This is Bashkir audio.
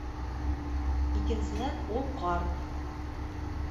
Икенсенән, ул ҡарт.